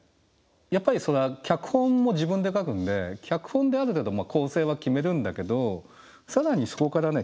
やっぱりそれは脚本も自分で書くんで脚本である程度構成は決めるんだけど更にそこからね